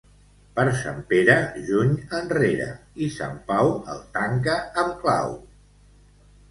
Per Sant Pere, juny enrere, i Sant Pau el tanca amb clau.